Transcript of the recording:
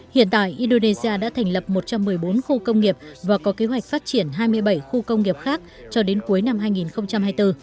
hiện tại indonesia đã thành lập một trăm một mươi bốn khu công nghiệp và có kế hoạch phát triển hai mươi bảy khu công nghiệp khác cho đến cuối năm hai nghìn hai mươi bốn